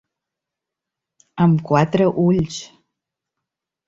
Amb quatre ulls.